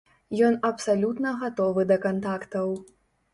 Ён абсалютна гатовы да кантактаў.